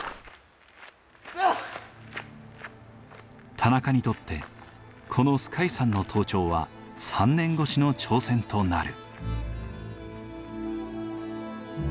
田中にとってこの皇海山の登頂は３年越しの挑戦となる。